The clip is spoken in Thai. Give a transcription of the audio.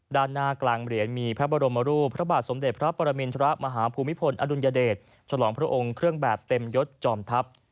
ด้านหน้ากลางเหรียญมีพระบรมรูปพระบาทสมเด็จพระปรมินทรมาฮภูมิพลอดุลยเดชฉลองพระองค์เครื่องแบบเต็มยศจอมทัพ